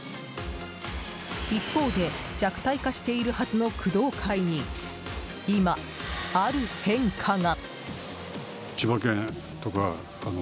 一方で、弱体化しているはずの工藤会に今、ある変化が。